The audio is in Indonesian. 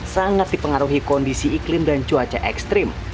sangat dipengaruhi kondisi iklim dan cuaca ekstrim